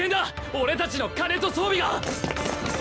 俺たちの金と装備が！